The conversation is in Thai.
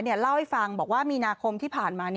เล่าให้ฟังบอกว่ามีนาคมที่ผ่านมา